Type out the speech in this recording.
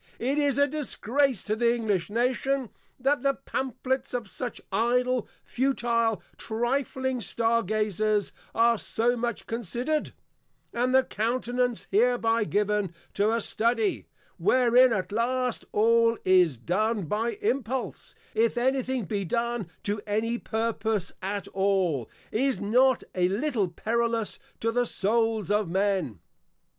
It is a disgrace to the English Nation, that the Pamphlets of such idle, futil, trifling Stargazers are so much considered; and the Countenance hereby given to a Study, wherein at last, all is done by Impulse, if any thing be done to any purpose at all, is not a little perillous to the Souls of Men.